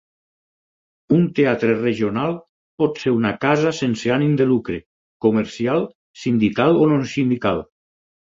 Un teatre regional pot ser una casa sense ànim de lucre, comercial, sindical o no sindical.